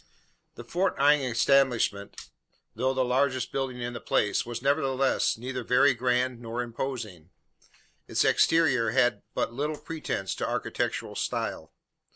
The Fort Inge establishment, though the largest building in the place, was, nevertheless, neither very grand nor imposing. Its exterior had but little pretence to architectural style.